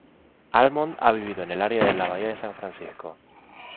Almond ha vivido en el Área de la Bahía de San Francisco.